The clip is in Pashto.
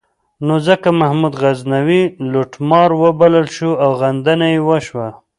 نو ځکه محمود غزنوي لوټمار وبلل شو او غندنه یې وشوه.